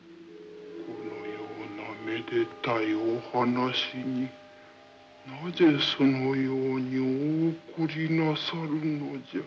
このようなめでたいお話になぜそのようにお怒りなさるのじゃ。